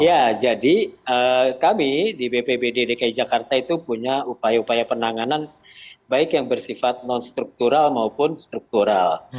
ya jadi kami di bpbd dki jakarta itu punya upaya upaya penanganan baik yang bersifat non struktural maupun struktural